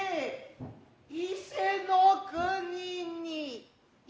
「伊勢の國に」。